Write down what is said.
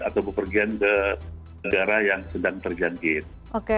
atau kepergian ke negara yang sedang tergantikan